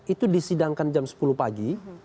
itu disidangkan jam sepuluh pagi